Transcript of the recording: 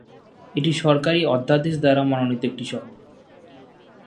এটি সরকারী অধ্যাদেশ দ্বারা মনোনীত একটি শহর।